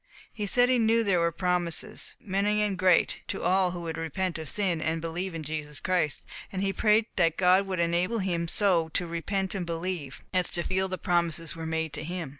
He said he knew there were promises, many and great, to all who would repent of sin, and believe in Jesus Christ, and he prayed that God would enable him so to repent and believe, as to feel that the promises were made to him.